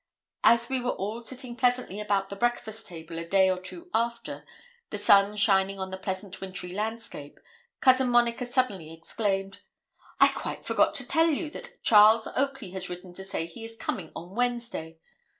As we were all sitting pleasantly about the breakfast table a day or two after, the sun shining on the pleasant wintry landscape, Cousin Monica suddenly exclaimed 'I quite forgot to tell you that Charles Oakley has written to say he is coming on Wednesday.